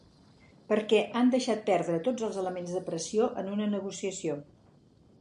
Perquè han deixat perdre tots els elements de pressió en una negociació.